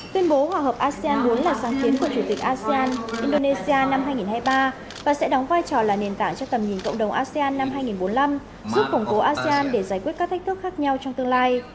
tuyên bố hòa hợp asean bốn là sáng kiến của chủ tịch asean indonesia năm hai nghìn hai mươi ba và sẽ đóng vai trò là nền tảng cho tầm nhìn cộng đồng asean năm hai nghìn bốn mươi năm giúp củng cố asean để giải quyết các thách thức khác nhau trong tương lai